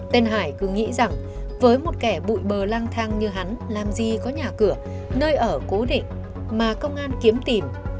tên hải cứ nghĩ rằng với một kẻ bụi bờ lang thang như hắn làm gì có nhà cửa nơi ở cố định mà công an kiếm tìm